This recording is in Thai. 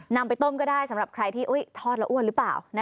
นำไปต้มก็ได้สำหรับใครที่ทอดแล้วอ้วนหรือเปล่า